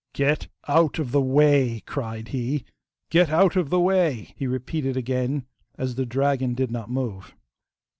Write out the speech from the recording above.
'Get out of the way!' cried he. 'Get out of the way!' he repeated again, as the dragon did not move.